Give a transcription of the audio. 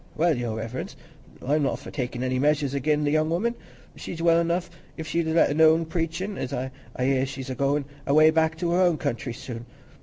"Well, Your Reverence, I'm not for takin' any measures again' the young woman. She's well enough if she'd let alone preachin'; an' I hear as she's a goin' away back to her own country soon.